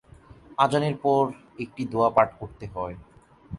আযানের পর একটি দোয়া পাঠ করতে হয়।